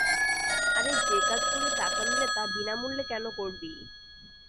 আরে যে কাজ করলে টাকা মিলে তা বিনামূল্যে কেনো করবি?